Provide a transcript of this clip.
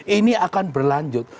ini akan berlanjut